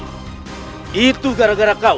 hai itu gara gara kau